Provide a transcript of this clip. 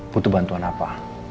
butuh bantuan apa